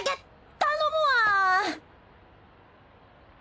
頼むわぁ！